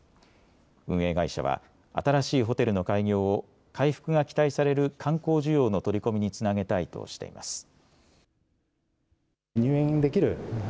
運営会社は新しいホテルの開業を回復が期待される観光需要の取り込みにつなげたいとしています。